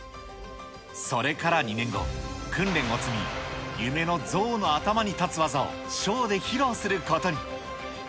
それから２年後、訓練を積み、夢の象の頭に立つ技をショーで披露することに。